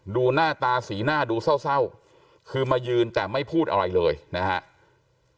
หน้าตาสีหน้าดูเศร้าคือมายืนแต่ไม่พูดอะไรเลยนะครับ